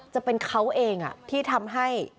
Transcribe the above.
จะเป็นเขาเองที่ทำให้